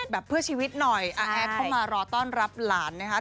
เพื่อชีวิตหน่อยอาแอดเข้ามารอต้อนรับหลานนะคะ